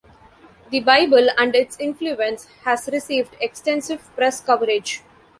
"The Bible and Its Influence" has received extensive press coverage.